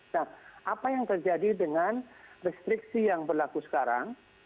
nah apa yang terjadi dengan restriksi yang berlaku sekarang